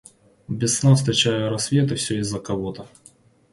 Без сна встречаю я рассвет И все из-за кого-то.